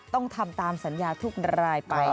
ต้องทำตามสัญญาทุกรายไป